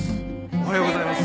おはようございます。